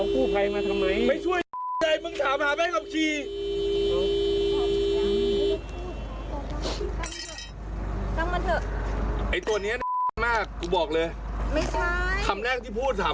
กลับมาเถอะไอ้ตัวเนี้ยมากกูบอกเลยไม่ใช่คำแรกที่พูดถาม